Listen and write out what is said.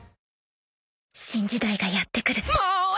新時代がやって来る。